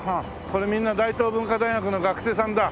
これみんな大東文化大学の学生さんだ。